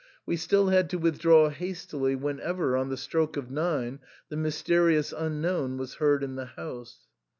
We still had to withdraw hastily whenever, on the stroke of nine, the mysterious unknown was heard in the house.